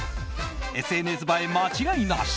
ＳＮＳ映え間違いなし。